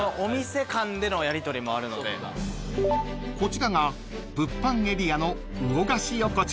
［こちらが物販エリアの］